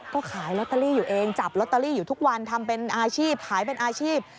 ก็ขายลอตเตอรี่อยู่เองจับลอตเตอรี่อยู่ทุกวันทำเป็นอาชีพขายเป็นอาชีพ